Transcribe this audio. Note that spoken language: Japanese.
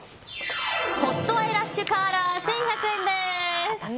ホットアイラッシュカーラー１１００円です！